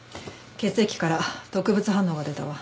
血液から毒物反応が出たわ。